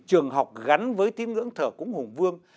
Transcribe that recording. trường học gắn với tiếng ngưỡng thờ cúng hùng vương